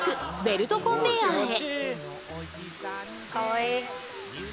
ベルトコンベヤーへ。